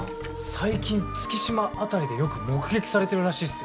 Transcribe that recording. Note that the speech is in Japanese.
最近月島辺りでよく目撃されてるらしいっすよ。